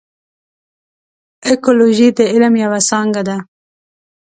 اکولوژي د علم یوه څانګه ده.